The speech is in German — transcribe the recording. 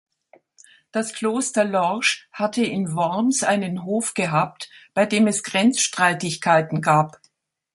Das Kloster Lorsch hatte in Worms einen Hof gehabt bei dem es Grenzstreitigkeiten gab.